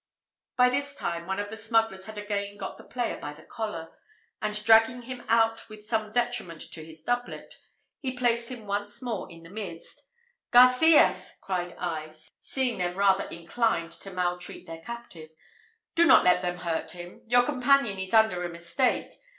By this time, one of the smugglers had again got the player by the collar; and, dragging him out with some detriment to his doublet, he placed him once more in the midst. "Garcias," cried I, seeing them rather inclined to maltreat their captive, "do not let them hurt him; your companion is under a mistake.